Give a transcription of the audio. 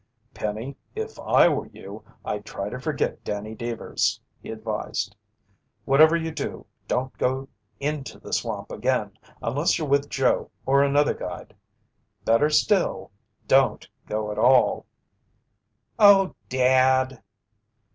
"Penny, if I were you, I'd try to forget Danny Deevers," he advised. "Whatever you do, don't go into the swamp again unless you're with Joe or another guide. Better still, don't go at all." "Oh, Dad!"